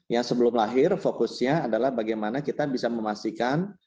yang sebelum lahir fokusnya adalah bagaimana kita bisa memastikan